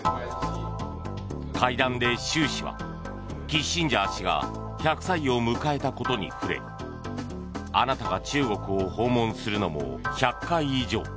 会談で習氏はキッシンジャー氏が１００歳を迎えたことに触れあなたが中国を訪問するのも１００回以上。